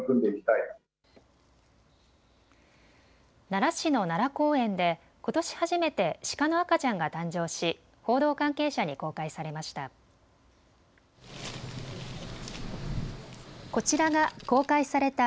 奈良市の奈良公園でことし初めてシカの赤ちゃんが誕生し報道関係者に公開されました。